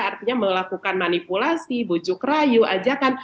artinya melakukan manipulasi bujuk rayu ajakan